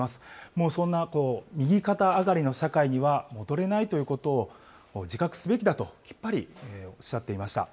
もうそんな右肩上がりの社会には戻れないということを自覚すべきだと、きっぱりおっしゃっていました。